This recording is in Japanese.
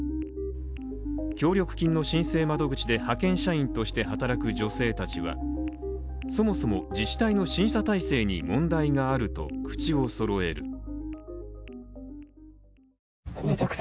協力金の申請窓口で派遣社員として働く女性たちは、そもそも自治体の審査体制に問題があると口をそろえる。